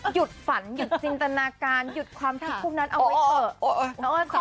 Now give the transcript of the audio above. หยุดฝันหยุดจินตนาการหยุดความทั้งคู่นั้นเอาไว้เถอะ